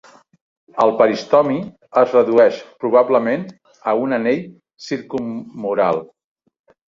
El peristomi es redueix probablement a un anell circumoral.